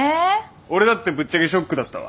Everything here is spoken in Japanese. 俺だってぶっちゃけショックだったわ。